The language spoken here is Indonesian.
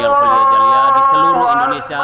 orlia jaliliya di seluruh indonesia